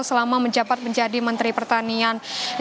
selama menjabat menjadi menteri pertanian